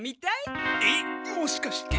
えっもしかして。